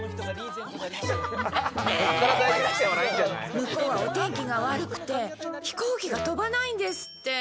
向こうは、お天気が悪くて飛行機が飛ばないんですって。